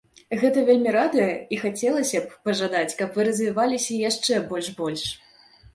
Гэта вельмі радуе, і хацелася б пажадаць, каб вы развіваліся яшчэ больш-больш.